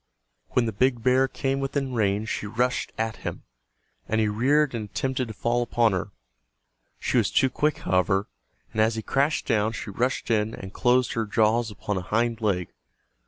When the big bear came within range she rushed at him, and he reared and attempted to fall upon her. She was too quick, however, and as he crashed down she rushed in and closed her jaws upon a hind leg.